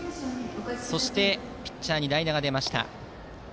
そしてピッチャーに代打が出ました。